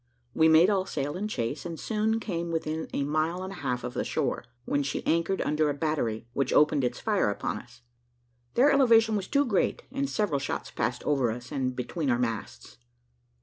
We made all sail in chase, and soon came within a mile and a half of the shore, when she anchored under a battery, which opened its fire upon us. Their elevation was too great, and several shots passed over us and between our masts.